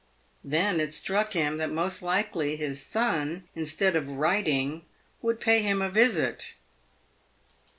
Then it struck him that most likely his son, instead of writing, would pay him a visit.